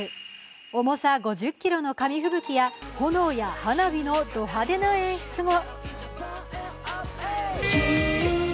重さ５０ｋｇの紙吹雪や炎や花火のド派手な演出も。